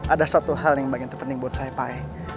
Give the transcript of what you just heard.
ada satu hal yang paling penting buat saya pai